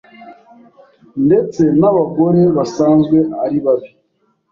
Ndetse n’abagore basanzwe ari babi